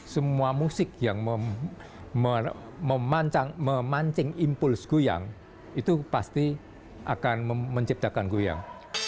semua musik yang memancing impuls goyang itu pasti akan menciptakan goyang